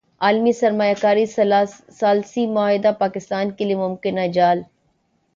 عالمی سرمایہ کاری ثالثی معاہدہ پاکستان کیلئے ممکنہ جال